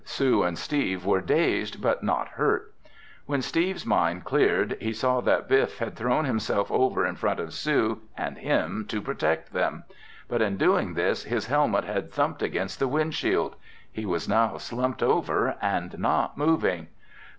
Sue and Steve were dazed, but not hurt. When Steve's mind cleared, he saw that Biff had thrown himself over in front of Sue and him to protect them. But in doing this, his helmet had thumped against the windshield. He was now slumped over and not moving.